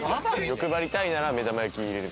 欲張りたいなら目玉焼き入れる。